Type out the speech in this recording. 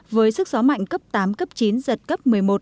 với sức gió mạnh cấp tám cấp chín giật cấp một mươi một